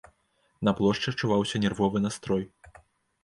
На плошчы адчуваўся нервовы настрой.